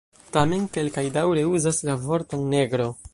Tamen kelkaj daŭre uzas la vorton "negro".